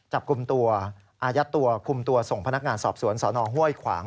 จับกลุ่มตัวอายัดตัวคุมตัวส่งพนักงานสอบสวนสนห้วยขวาง